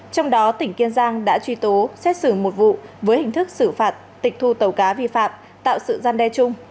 trong đó tỉnh kiên giang đã truy tố xét xử một vụ với hình thức xử phạt tịch thu tàu cá vi phạm tạo sự gian đe chung